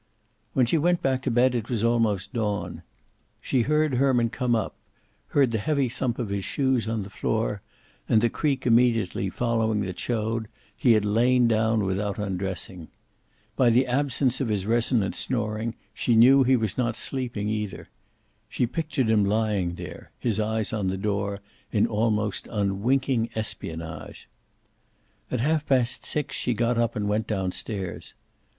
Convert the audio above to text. When she went back to bed it was almost dawn. She heard Herman come up, heard the heavy thump of his shoes on the floor, and the creak immediately following that showed he had lain down without undressing. By the absence of his resonant snoring she knew he was not sleeping, either. She pictured him lying there, his eyes on the door, in almost unwinking espionage. At half past six she got up and went down stairs.